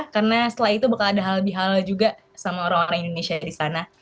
karena setelah itu bakal ada hal hal juga sama orang orang indonesia di sana